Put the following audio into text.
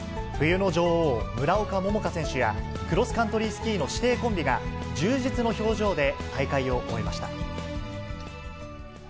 冬の女王、村岡桃佳選手や、クロスカントリースキーの師弟コンビが、充実の表情で大会を終えました。